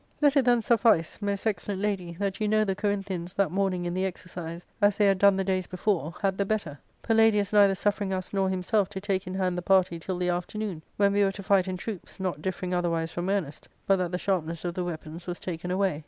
Let it then suffice, most excellent lady, that you know the Corinthians that morning in the exercise, as they had done the days before, had the better, Palladius neither suf fering us nor himself to take in hand the party till the after noon, when we were to fight in troops, not differing otherwise from earnest, but that the sharpness of the weapons was taken away.